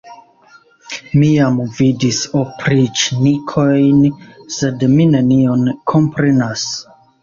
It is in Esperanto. Mi jam vidis opriĉnikojn, sed mi nenion komprenas.